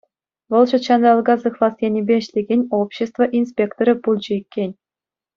Вӑл ҫутҫанталӑка сыхлас енӗпе ӗҫлекен общество инспекторӗ пулчӗ иккен.